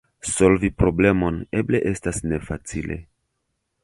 Solvi problemon eble estas nefacile.